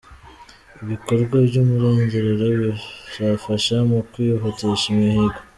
Ibikorwa by’urugerero bizafasha mu kwihutisha imihigo